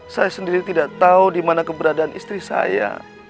saya sendiri tidak tahu dimana keberadaan istri saya